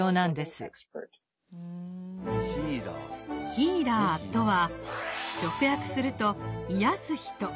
ヒーラーとは直訳すると癒やす人。